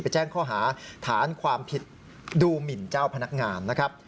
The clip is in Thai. แจ้งข้อหาฐานความผิดดูหมินเจ้าพนักงานนะครับ